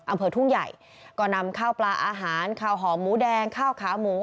อำเภอทุ่งใหญ่ก็นำข้าวปลาอาหารข้าวหอมหมูแดงข้าวขาหมู